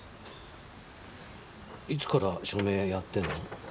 いつから署名やってるの？